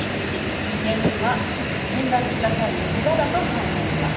原因は転落した際のケガだと判明した。